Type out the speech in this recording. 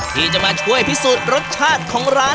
ที่จะมาช่วยพิสูจน์รสชาติของร้าน